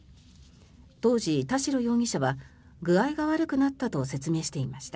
当時、田代容疑者は具合が悪くなったと説明していました。